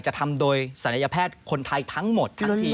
จะทำโดยศัลยแพทย์คนไทยทั้งหมดทั้งที